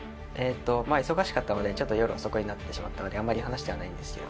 忙しかったのでちょっと夜遅くになってしまったのであんまり話してはいないんです。